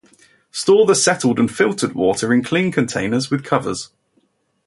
Store the settled and filtered water in clean containers with covers.